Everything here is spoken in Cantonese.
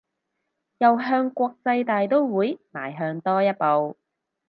又向國際大刀會邁向多一步